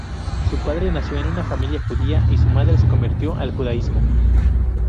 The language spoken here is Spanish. Su padre nació en una familia judía, y su madre se convirtió al judaísmo.